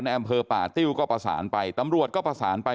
อำเภอป่าติ้วก็ประสานไปตำรวจก็ประสานไป